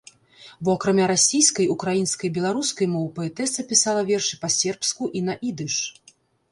Бо акрамя расійскай, украінскай і беларускай моў паэтэса пісала вершы па-сербску і на ідыш.